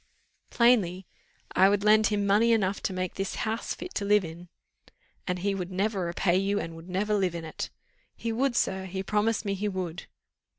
"Plainly, I would lend him money enough to make this house fit to live in." "And he would never repay you, and would never live in it." "He would, sir he promised me he would."